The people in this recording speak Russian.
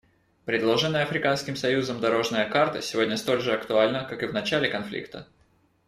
Предложенная Африканским союзом «дорожная карта» сегодня столь же актуальна, как и в начале конфликта.